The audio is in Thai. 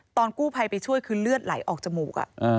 ตอนกู้ภัยไปช่วยคือเลือดไหลออกจมูก